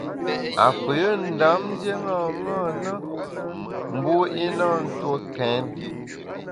Apeyùe Ndam ndié ṅaṅâ na, mbu i na ntue kèn.